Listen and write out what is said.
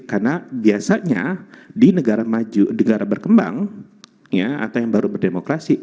karena biasanya di negara berkembang atau yang baru berdemokrasi